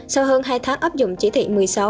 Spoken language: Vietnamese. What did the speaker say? sau hơn hai tháng áp dụng chỉ thị một mươi sáu